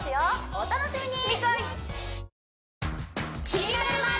お楽しみに！